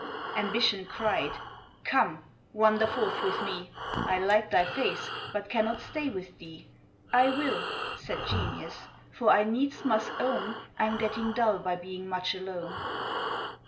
Ambition cried, 'Come, wander forth with me; I like thy face but cannot stay with thee.' 'I will,' said Genius, 'for I needs must own I'm getting dull by being much alone.'